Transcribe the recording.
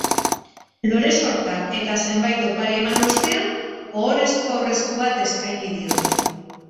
Lore sorta eta zenbait opari eman ostean, ohorezko aurresku bat eskaini diote.